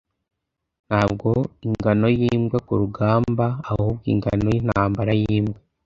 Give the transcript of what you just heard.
Ntabwo ingano yimbwa kurugamba, ahubwo ingano yintambara yimbwa